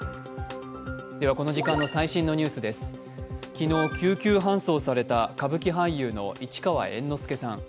昨日、救急搬送された歌舞伎俳優の市川猿之助さん。